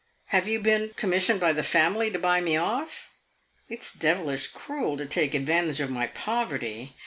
Have you been commissioned by the family to buy me off? It 's devilish cruel to take advantage of my poverty!